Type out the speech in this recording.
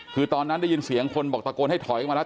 คือตอนนั้นได้ยินเสียงคนบอกตะโกนให้ถอยออกมาแล้ว